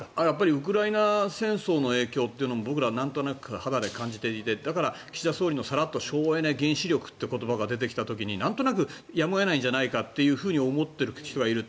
ウクライナ戦争の影響というのも僕らはなんとなく肌で感じていてだから、岸田総理のさらっと省エネ、原子力という言葉が出てきた時なんとなくやむを得ないんじゃないかと思っている人がいる。